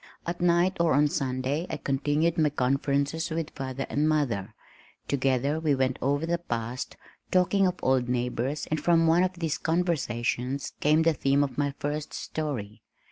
At night or on Sunday I continued my conferences with father and mother. Together we went over the past, talking of old neighbors and from one of these conversations came the theme of my first story.